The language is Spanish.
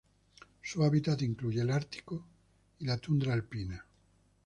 Su hábitat incluye el Ártico y la tundra alpina.